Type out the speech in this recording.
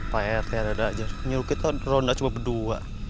pak rt ada ada aja nyuruh kita beronda coba berdua